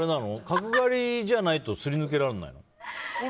角刈りじゃないとすり抜けられないの？